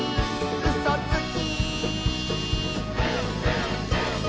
「うそつき！」